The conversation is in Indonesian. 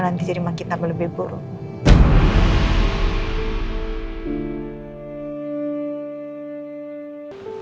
nanti jadi makin lebih buruk